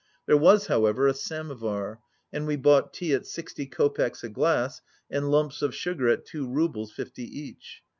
There was, however, a samovar, and we bought tea at sixty kopecks a glass and lumps of sugar at two roubles fifty each.